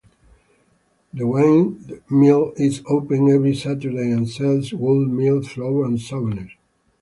The windmill is open every Saturday and sells wholemeal flour and souvenirs.